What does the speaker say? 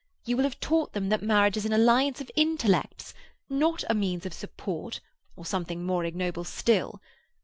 You will have taught them that marriage is an alliance of intellects—not a means of support, or something more ignoble still.